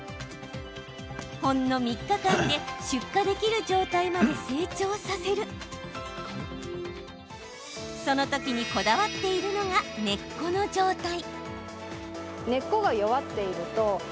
ほんの３日間で出荷できる状態まで成長させるそのときにこだわっているのが根っこの状態。